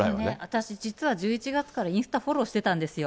私ね、実は１１月からインスタ、フォローしてたんですよ。